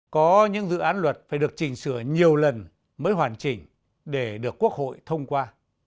có những dự án luật phải được chỉnh sửa nhiều lần mới hoàn chỉnh để được quốc hội thông qua